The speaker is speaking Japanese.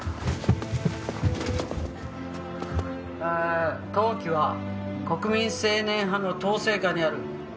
「えー当機は国民青年派の統制下にある」